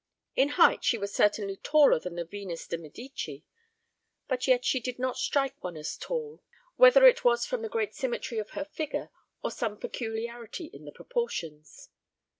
In height she was certainly taller than the Venus de Medici; but yet she did not strike one as tall, whether it was from the great symmetry of her figure or some peculiarity in the proportions.